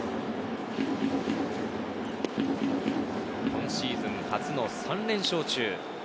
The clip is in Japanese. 今シーズン初の３連勝中。